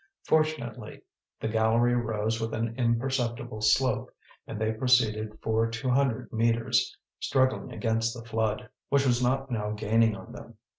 Fortunately, the gallery rose with an imperceptible slope, and they proceeded for two hundred metres, struggling against the flood, which was not now gaining on them.